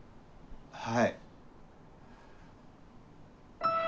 はい。